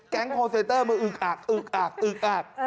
คอลเซนเตอร์มาอึกอักอึกอักอึกอัก